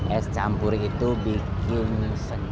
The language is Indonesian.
es campur itu bikin senang